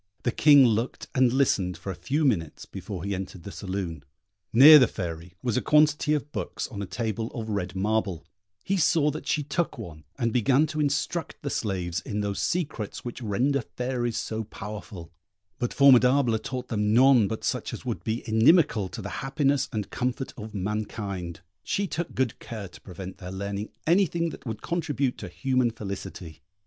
The King looked and listened for a few minutes before he entered the saloon. Near the Fairy was a quantity of books on a table of red marble: he saw that she took one and began to instruct the slaves in those secrets which render fairies so powerful; but Formidable taught them none but such as would be inimical to the happiness and comfort of mankind; she took good care to prevent their learning anything that would contribute to human felicity.